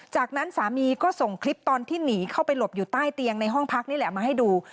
จากนั้นสามีก็ส่งคลิปตอนที่หนีเข้าไปหลบอยู่ใต้เตียงในห้องพักนี่แหละมาให้ดู